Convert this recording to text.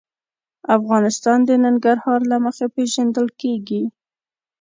افغانستان د ننګرهار له مخې پېژندل کېږي.